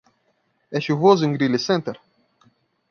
É chuvoso em Greely Center?